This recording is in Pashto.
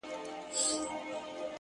o رمې دي د هغه وې اې شپنې د فريادي وې ـ